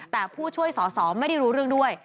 แต่ผู้ช่วยสอสอไม่ได้รู้เรื่องด้วย